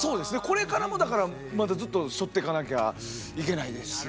これからもだからまだずっと背負っていかなきゃいけないですし。